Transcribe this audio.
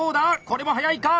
これも速いか？